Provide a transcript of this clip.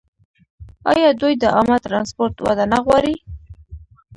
آیا دوی د عامه ټرانسپورټ وده نه غواړي؟